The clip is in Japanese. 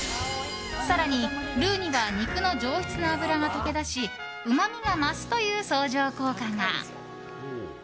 更にルーには肉の上質な脂が溶け出しうまみが増すという相乗効果が。